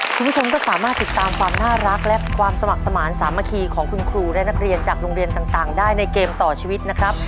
คุณผู้ชมก็สามารถติดตามความน่ารักและความสมัครสมาธิสามัคคีของคุณครูและนักเรียนจากโรงเรียนต่างได้ในเกมต่อชีวิตนะครับ